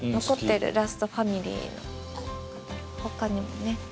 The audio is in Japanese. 残ってるラストファミリーの他にもね。